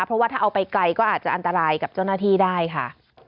เพราะว่าถ้าเอาไปไกลก็อาจจะอันตรายกับเจ้าหน้าที่ได้ค่ะ